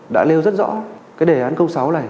đã nêu rất rõ cái đề án sáu này